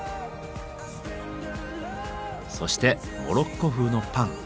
そしてモロッコ風のパン。